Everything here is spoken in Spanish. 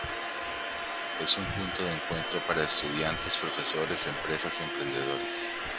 Es un punto de encuentro para estudiantes, profesores, empresas y emprendedores.